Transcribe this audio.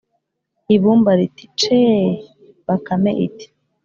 ibumba riti: “ce”. bakame iti: